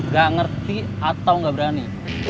gak ngerti atau nggak berani